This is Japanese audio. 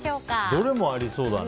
どれもありそうだね。